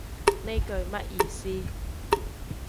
呢句乜意思